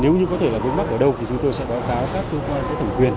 nếu như có thể là vốn mắc ở đâu thì chúng tôi sẽ báo cáo các cơ quan của thẩm quyền